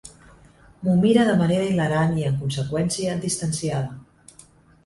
M'ho mire de manera hilarant i, en conseqüència, distanciada.